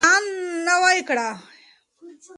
ځان نوی کړئ.